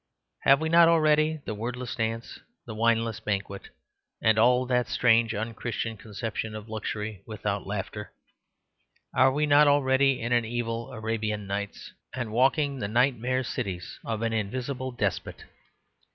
Have we not already the wordless dance, the wineless banquet, and all that strange unchristian conception of luxury without laughter? Are we not already in an evil Arabian Nights, and walking the nightmare cities of an invisible despot?